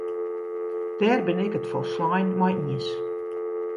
Dêr bin ik it folslein mei iens.